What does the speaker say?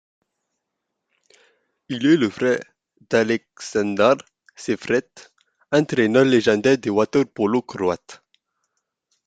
Il est le frère d'Aleksandar Seifert, entraineur légendaire de water-polo croate.